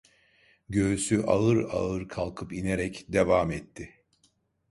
Göğsü ağır ağır kalkıp inerek devam etti.